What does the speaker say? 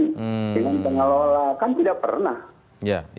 dengan pengelola kan tidak pernah